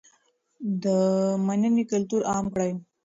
د مننې کلتور عام کړئ.